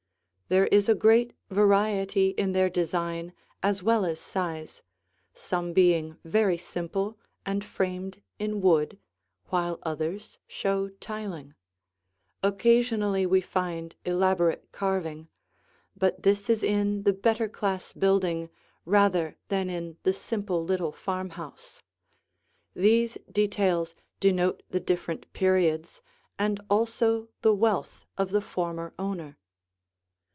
There is a great variety in their design as well as size, some being very simple and framed in wood, while others show tiling; occasionally we find elaborate carving, but this is in the better class building rather than in the simple little farmhouse. These details denote the different periods and also the wealth of the former owner.